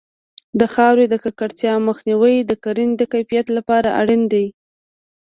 د خاورې د ککړتیا مخنیوی د کرنې د کیفیت لپاره اړین دی.